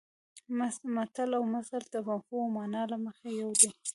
متل او مثل د مفهوم او مانا له مخې یو دي